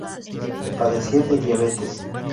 Padecía de diabetes.